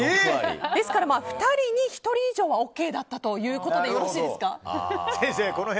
ですから２人に１人以上はＯＫだったということでよろしいですか。